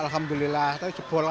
alhamdulillah tapi jebol